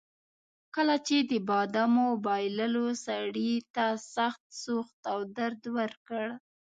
کله چې د بادامو بایللو سړي ته سخت سوخت او درد ورکړ.